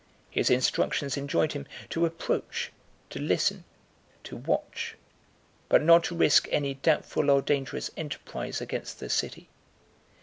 His instructions enjoined him to approach, to listen, to watch, but not to risk any doubtful or dangerous enterprise against the city.